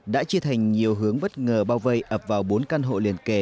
đã chia thành nhiều hướng bất ngờ bao vây ập vào bốn căn hộ liên kệ